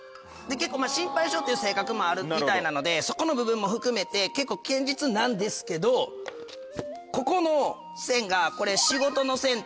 結構心配性という性格もあるみたいなのでそこの部分も含めて結構堅実なんですけどここの線がこれ。